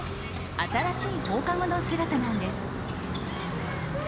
新しい放課後の姿なんです。